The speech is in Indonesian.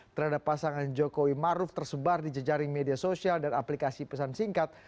terhadap pasangan jokowi maruf tersebar di jejaring media sosial dan aplikasi pesan singkat